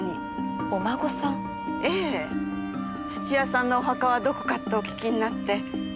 土屋さんのお墓はどこかってお聞きになって。